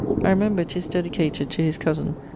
I remember 'tis dedicated to his cosen ...